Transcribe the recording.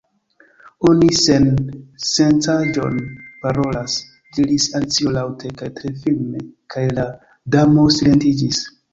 "Oni sen -sencaĵon parolas!" diris Alicio laŭte kaj tre firme; kaj la Damo silentiĝis!